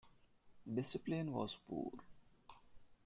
Discipline was poor.